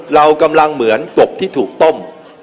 เรากำลังเหมือนกบที่ถูกต้ม